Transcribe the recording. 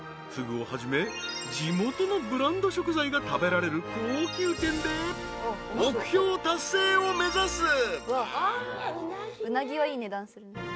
［ふぐをはじめ地元のブランド食材が食べられる高級店で目標達成を目指す］